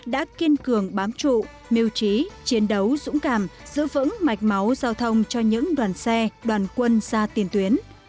đã kiên cường bám trụ mưu trí chiến đấu dũng cảm giữ vững mạch máu giao thông cho những đoàn xe đoàn quân ra tiền tuyến